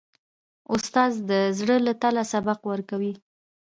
استاد د زړه له تله سبق ورکوي.